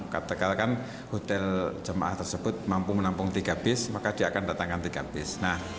ketika kan hotel jemaah tersebut mampu menampung tiga bus maka dia akan datangkan tiga bus